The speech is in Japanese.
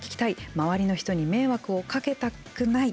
周りの人に迷惑をかけたくない。